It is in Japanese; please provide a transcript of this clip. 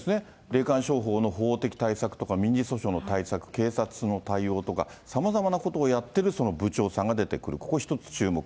霊感商法の法的対策とか、民事訴訟の対策、警察の対応とか、さまざまなところをやってるその部長さんが出てくる、ここが注目。